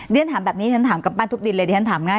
เรียนถามแบบนี้เรียนถามกับปั้นทุบดินเลยเรียนถามง่าย